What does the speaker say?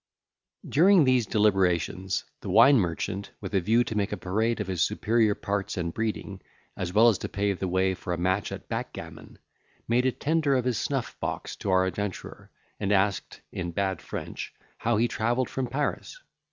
During these deliberations, the wine merchant, with a view to make a parade of his superior parts and breeding, as well as to pave the way for a match at backgammon, made a tender of his snuff box to our adventurer, and asked, in bad French, how he travelled from Paris.